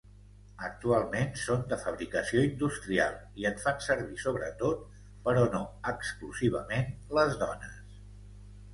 Actualment són de fabricació industrial i en fan servir sobretot, però no exclusivament, les dones.